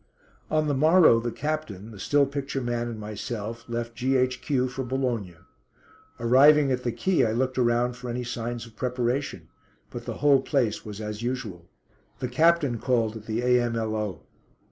On the morrow the Captain, the still picture man and myself, left G.H.Q. for Boulogne. Arriving at the quay I looked around for any signs of preparation, but the whole place was as usual. The Captain called at the A.M.L.O.